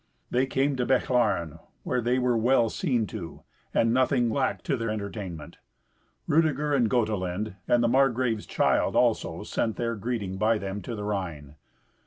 They came to Bechlaren, where they were well seen to, and nothing lacked to their entertainment. Rudeger and Gotelind, and the Margrave's child also, sent their greeting by them to the Rhine.